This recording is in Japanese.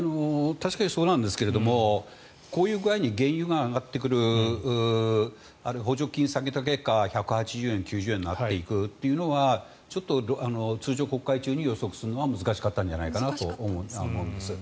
確かにそうなんですがこういうふうに原油が上がってくる補助金を使って１８０円、１９０円になっていくとなるとちょっと通常国会中に予測するのは難しかったんじゃないかと思うんです。